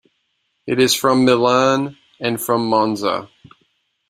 It is from Milan and from Monza.